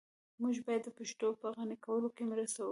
موږ بايد د پښتو په غني کولو کي مرسته وکړو.